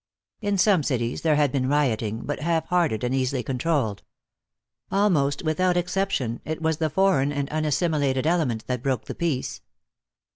In some cities there had been rioting, but half hearted and easily controlled. Almost without exception it was the foreign and unassimilated element that broke the peace.